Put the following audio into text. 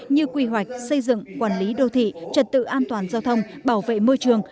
như quy hoạch xây dựng quản lý đô thị trật tự an toàn giao thông bảo vệ môi trường